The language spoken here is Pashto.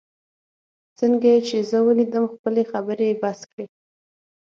څنګه چي یې زه ولیدم، خپلې خبرې یې بس کړې.